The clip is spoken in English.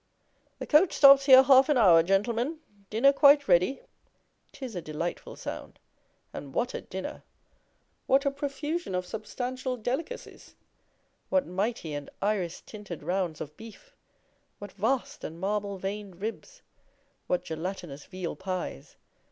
'The coach stops here half an hour, gentlemen: dinner quite ready!' 'Tis a delightful sound. And what a dinner! What a profusion of substantial delicacies! What mighty and iris tinted rounds of beef! What vast and marble veined ribs! What gelatinous veal pies!